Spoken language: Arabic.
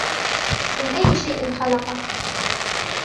مِنْ أَيِّ شَيْءٍ خَلَقَهُ